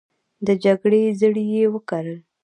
د جګړې زړي یې وکرل